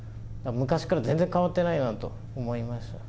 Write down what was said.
昔から全然変わっていないなと思いました。